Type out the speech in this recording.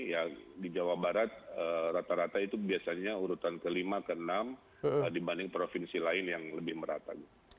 ya di jawa barat rata rata itu biasanya urutan ke lima ke enam dibanding provinsi lain yang lebih merata